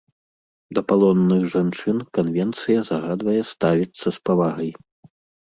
Да палонных жанчын канвенцыя загадвае ставіцца з павагай.